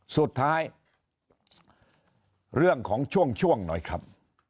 สุดท้ายเรื่องของช่วงช่วงหน่อยครับ